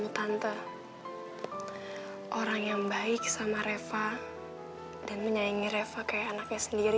tante orang yang baik sama reva dan menyayangi reva kayak anaknya sendiri